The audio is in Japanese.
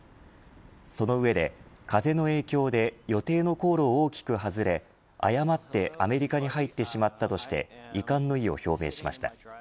その上で、風の影響で予定の航路を大きく外れ誤ってアメリカに入ってしまったとして遺憾の意を表明しました。